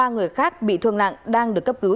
ba người khác bị thương nặng đang được cấp cứu